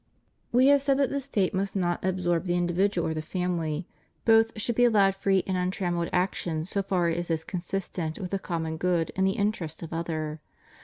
We have said that the State must not absorb the indi vidual or the family; both should be allowed free and untrammelled action so far as is consistent with the com mon good and the interests of others.